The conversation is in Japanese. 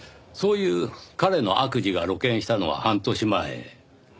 そういう彼の悪事が露見したのは半年前。